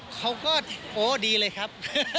เขาก็โอ้ดีเลยครับ